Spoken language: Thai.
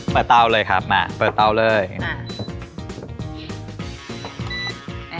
เปิดเตาเลยครับมาเปิดเตาเลยอ่ะ